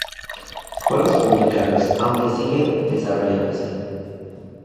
Juegos publicados, aunque siguen desarrollándose.